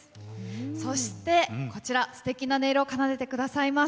そしてこちら、すてきな音色を奏でてくれます